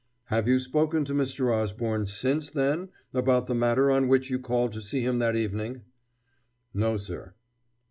"Have you spoken to Mr. Osborne since then about the matter on which you called to see him that evening?" "No, sir."